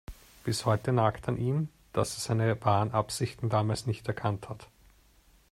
Bis heute nagt an ihm, dass er seine wahren Absichten damals nicht erkannt hat.